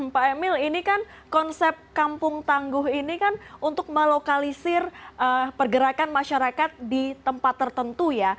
pak emil ini kan konsep kampung tangguh ini kan untuk melokalisir pergerakan masyarakat di tempat tertentu ya